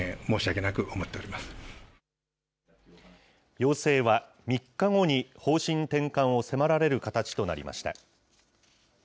要請は、３日後に方針転換を迫られる形となりました。